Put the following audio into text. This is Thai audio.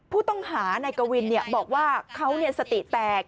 ผู้ต้องหาในกวินบอกว่าเขาสติแตก